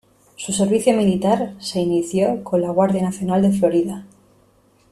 Su servicio militar se inició con la Guardia Nacional de Florida.